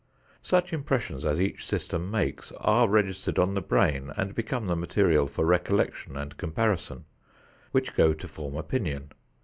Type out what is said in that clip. Such impressions as each system makes are registered on the brain and become the material for recollection and comparison, which go to form opinion.